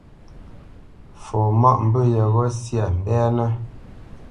Fɔ mâʼ mbə̂ yeghó syâ mbɛ́nə̄.